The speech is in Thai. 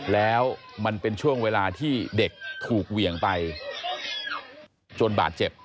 แล้วมันเป็นช่วงเวลาที่เด็กถูกเหวี่ยงไปจนบาดเจ็บ